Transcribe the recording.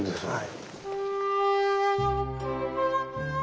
・はい。